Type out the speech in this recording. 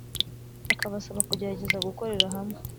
Akabasaba kugerageza gukorera hamwe